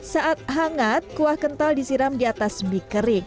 saat hangat kuah kental disiram di atas mie kering